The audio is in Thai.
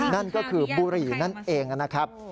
นั่นก็คือบุหรี่นั่นเองนะครับ